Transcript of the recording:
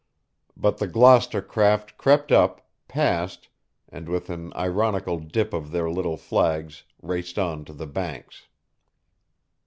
But the Gloucester craft crept up, passed, and with an ironical dip of their little flags raced on to the Banks.